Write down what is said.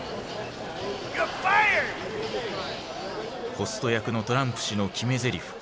ホスト役のトランプ氏の決めゼリフ